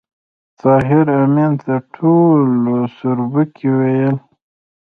طاهر آمین ته ټولو سوربګی ویل